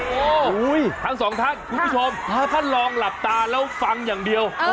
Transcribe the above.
โอ้โหทั้งสองท่านคุณผู้ชมถ้าท่านลองหลับตาแล้วฟังอย่างเดียว